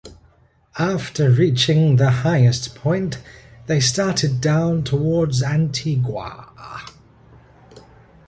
After reaching the highest point, they started down towards Antigua.